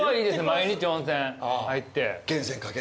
毎日温泉入って。